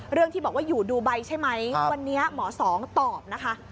เรื่องที่บอกว่าอยู่ดูไบใช่ไหมวันนี้หมอสองตอบนะคะ